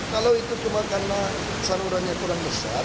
kalau itu cuma karena salurannya kurang besar